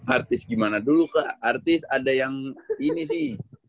artis gimana dulu kak artis ada yang ini nih